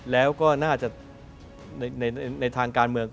แล้วก็น่าจะในทางการเมือง